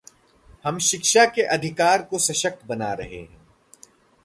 ''हम शिक्षा के अधिकार को सशक्त बना रहे हैं"